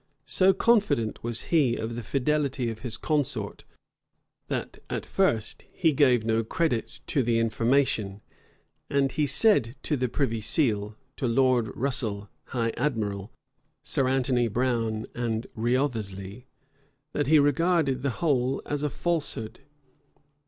So confident was he of the fidelity of his consort, that at first he gave no credit to the information; and he said to the privy seal, to Lord Russel, high admiral, Sir Anthony Brown, and Wriothesley, that he regarded the whole as a falsehood.